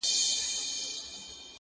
او عذاب زغمي،